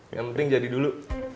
yang penting jadi dulu